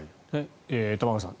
玉川さん